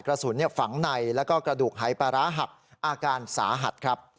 กระสุนฝังในแล้วก็กระดูกหายปลาร้าหักอาการสาหัสครับ